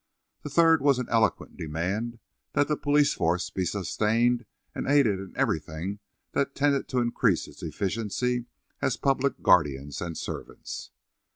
The third was an eloquent demand that the police force be sustained and aided in everything that tended to increase its efficiency as public guardians and servants.